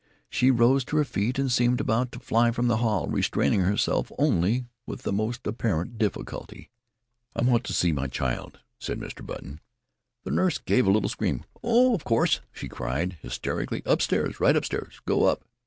She rose to her feet and seemed about to fly from the hall, restraining herself only with the most apparent difficulty. "I want to see my child," said Mr. Button. The nurse gave a little scream. "Oh of course!" she cried hysterically. "Upstairs. Right upstairs. Go _up!